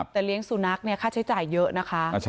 แต่เลี้ยงสุนัขค่าใช้จ่ายเยอะนะคะ